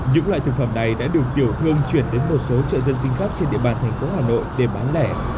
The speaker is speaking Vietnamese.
những loại thực phẩm này đã được tiểu thương chuyển đến một số chợ dân sinh khác trên địa bàn thành phố hà nội để bán lẻ